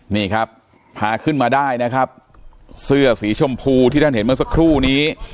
นี่ครับพาขึ้นมาได้นะครับเสื้อสีชมพูที่ท่านเห็นเมื่อสักครู่นี้